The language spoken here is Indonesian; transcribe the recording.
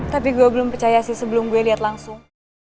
tapi gue belum percaya sih sebelum gue lihat langsung